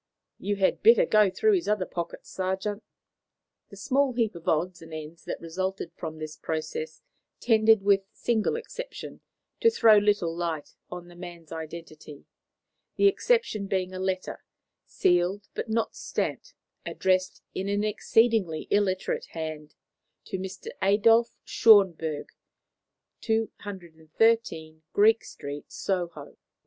"You had better go through his other pockets, sergeant." The small heap of odds and ends that resulted from this process tended, with a single exception, to throw little light on the man's identity; the exception being a letter, sealed, but not stamped, addressed in an exceedingly illiterate hand to Mr. Adolf Schönberg, 213, Greek Street, Soho.